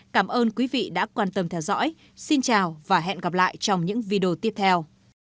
cảm ơn quý vị đã quan tâm theo dõi xin chào và hẹn gặp lại trong những video tiếp theo